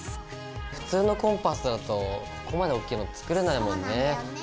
普通のコンパスだとここまで大きいの作れないもんね。